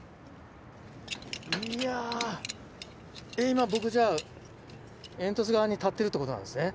今僕じゃあ煙突側に立ってるってことなんですね。